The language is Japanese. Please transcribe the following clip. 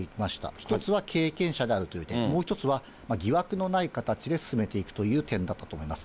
１つは経験者であるという点、もう１つは疑惑のない形で進めていくという点だったと思います。